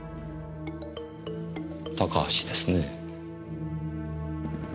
高橋ですね。